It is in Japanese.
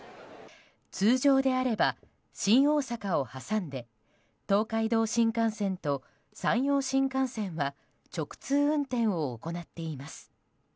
通常であれば、新大阪を挟んで東海道新幹線と直通運転を行っています。